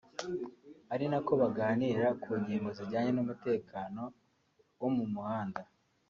ari nako baganira ku ngingo zijyanye n’umutekano wo mu muhanda